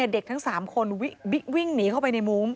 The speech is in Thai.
เด็กทั้ง๓คนวิ่งหนีเข้าไปในมุ้ง